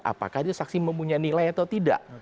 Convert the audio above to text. apakah itu saksi mempunyai nilai atau tidak